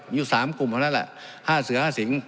อยู่สามกลุ่มเท่านั้นแหละห้าเสือห้าสิง